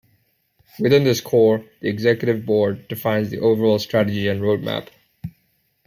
Within this core, the Executive Board defines the overall strategy and roadmap.